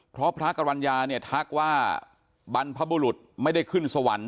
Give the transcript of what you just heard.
เพราะพระกรรณญาเนี่ยทักว่าบรรพบุรุษไม่ได้ขึ้นสวรรค์